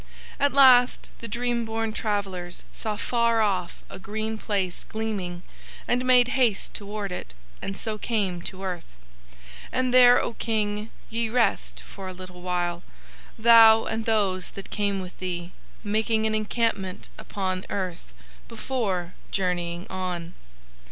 At last the dream borne travellers saw far off a green place gleaming and made haste towards it and so came to Earth. And there, O King, ye rest for a little while, thou and those that came with thee, making an encampment upon earth before journeying on.